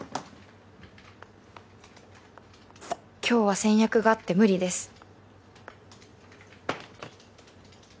「今日は先約があって無理です」。